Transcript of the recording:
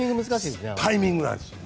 タイミングなんですよ。